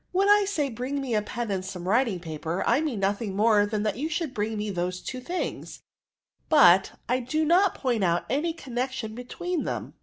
When I say, 'Bring me a pen and some writing paper,* I mean nothing more than that you should bring me those two things ; but I do not point out any connec tion between them."